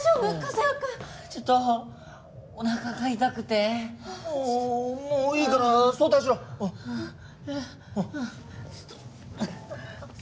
ちょっとおなかが痛くておぉもういいから早退しろえっ？